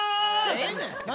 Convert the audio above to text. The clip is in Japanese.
ええねん！